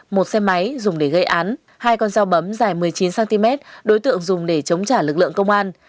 một xe máy dùng để gây án hai con dao bấm dài một mươi chín cm đối tượng dùng để chống trả lực lượng công an